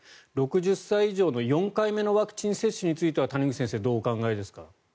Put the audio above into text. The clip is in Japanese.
６０歳以上の４回目のワクチン接種については谷口先生、どうお考えですか？